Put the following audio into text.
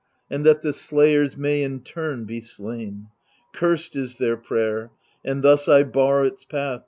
And that the slayers may in turn be slain. Cursed is their prayer, and thus I bar its path.